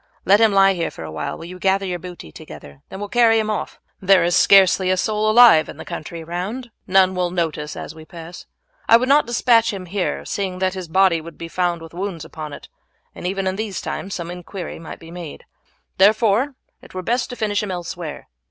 Let him lie here for a while, while you gather your booty together; then we will carry him off. There is scarcely a soul alive in the country round, and none will note us as we pass. I would not despatch him here, seeing that his body would be found with wounds upon it, and even in these times some inquiry might be made; therefore it were best to finish him elsewhere.